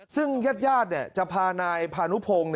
ซึ่งญาติญาติจะพานายพานุโพง